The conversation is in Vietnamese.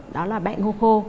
đó là bẹ ngô khô